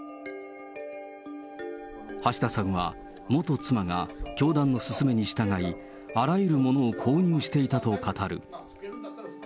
橋田さんは、元妻が教団の勧めに従い、あらゆるものを購入していたと語る。